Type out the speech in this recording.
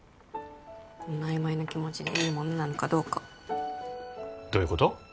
こんな曖昧な気持ちでいいものなのかどうかどういうこと？